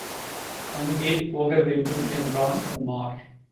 அங்கே போகவேண்டும் என்றான் உமார்.